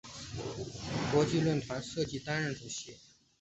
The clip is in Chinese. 国际论坛设计担任主席。